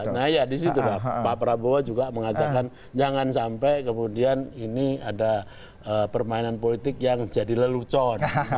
nah ya disitulah pak prabowo juga mengatakan jangan sampai kemudian ini ada permainan politik yang jadi lelucon